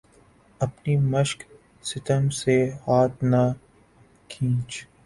اپنی مشقِ ستم سے ہاتھ نہ کھینچ